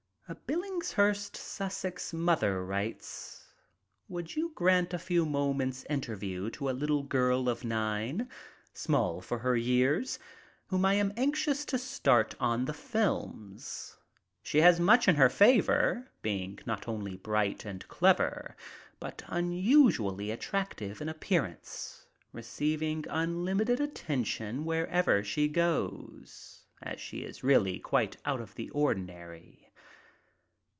A Billingshurst (Sussex) mother writes: "Would you grant a few moments' interview to a little girl of nine (small for her years) whom I am anxious to start on the films? She has much in her favor, being not only bright and clever, but unusually attractive in appearance, receiving unlimited attention wherever she goes, as she is really quite out of the ordinary."